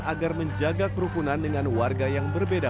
agar menjaga kerukunan dengan warga yang berbeda